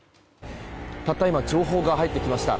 たった今情報が入ってきました。